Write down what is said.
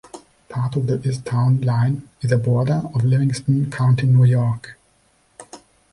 Part of the east town line is the border of Livingston County, New York.